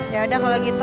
yaudah kalo gitu